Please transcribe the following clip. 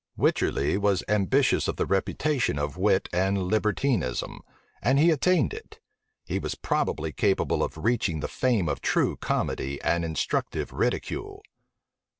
Wycherley was ambitious of the reputation of wit and libertinism, and he attained it: he was probably capable of reaching the fame of true comedy and instructive ridicule.